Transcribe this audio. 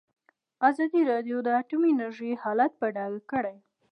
ازادي راډیو د اټومي انرژي حالت په ډاګه کړی.